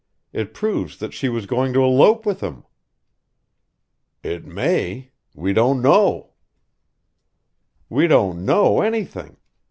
It proves that she was going to elope with him." "It may we don't know!" "We don't know anything.